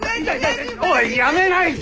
おいやめないか！